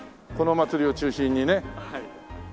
この祭りを中心にね。